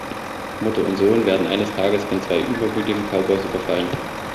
Mutter und Sohn werden eines Tages von zwei übermütigen Cowboys überfallen.